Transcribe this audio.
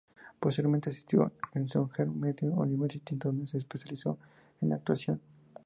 Posteriormente asistió a la Southern Methodist University, donde se especializó en actuación.